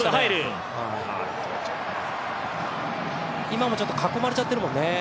今もちょっと囲まれちゃってるもんね。